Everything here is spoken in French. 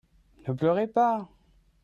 ne pleurez pas.